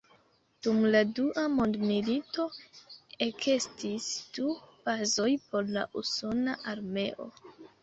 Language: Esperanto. Dum la dua mondmilito ekestis du bazoj por la usona armeo.